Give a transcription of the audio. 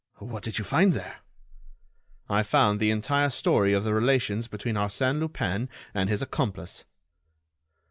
"What did you find there?" "I found the entire story of the relations between Arsène Lupin and his accomplice."